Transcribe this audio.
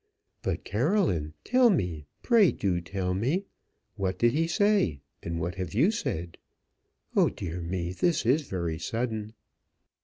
"But, Caroline, tell me pray do tell me; what did he say, and what have you said? Oh dear me, this is very sudden."